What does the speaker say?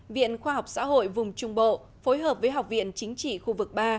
viện khoa học xã hội vùng trung bộ phối hợp với học viện chính trị khu vực ba